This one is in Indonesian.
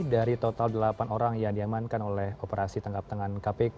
dari total delapan orang yang diamankan oleh operasi tangkap tangan kpk